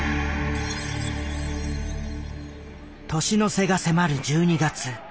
年の瀬が迫る１２月。